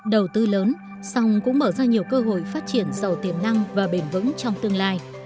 đầu tư lớn song cũng mở ra nhiều cơ hội phát triển giàu tiềm năng và bền vững trong tương lai